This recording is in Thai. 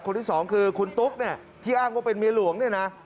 คนที่๒คือคุณตุ๊กที่อ้างว่าเป็นเมียหลวง